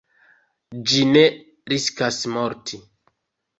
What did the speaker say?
Ĝi ne riskas morti.